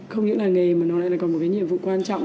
không những là nghề mà nó lại là có một cái nhiệm vụ quan trọng